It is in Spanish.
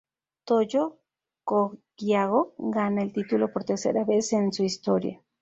Toyo Kogyo gana el título por tercera vez en su historia.